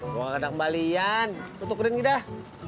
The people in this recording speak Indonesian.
gua ga ada kembalian tuh keren gini dah